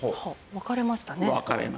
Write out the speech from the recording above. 分かれました。